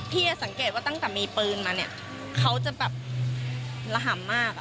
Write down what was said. พี่ด่านสังเกตว่าตั้งแต่มีปืนมาเนี้ยเขาจะแบบระหามมากอะ